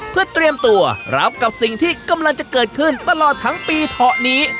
เพื่อเตรียมตัวรับกับสิ่งที่กำลังจะเกิดขึ้นตลอดทั้งปีเถาะนี้